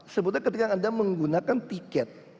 sebutnya ketika anda menggunakan tiket